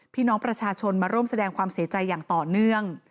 พี่น้องประชาชนมาร่วมแสดงความเสียใจอย่างต่อเนื่อง